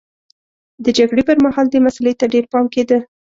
د جګړې پرمهال دې مسئلې ته ډېر پام کېده.